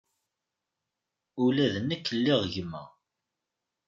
Ula d nekk liɣ gma.